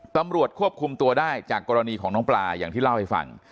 ตำรวจควบคุมตัวได้จากกรณีของน้องปลาอย่างที่เล่าให้ฟัง